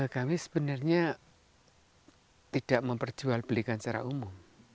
kami sebenarnya tidak memperjual belikan secara umum